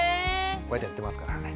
こうやってやってますからね。